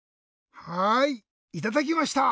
はいいただきました！